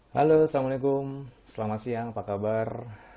halo assalamualaikum selamat siang apa kabar